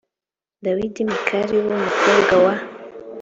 dawidi mikali b umukobwa wa